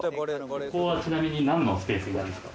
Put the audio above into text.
ここはちなみに何のスペースになるんですか？